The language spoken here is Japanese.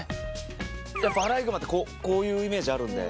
やっぱアライグマってこういうイメージあるんで。